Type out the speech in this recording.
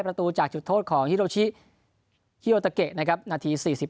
ประตูจากจุดโทษของฮิโรชิฮิโอตะเกะนะครับนาที๔๕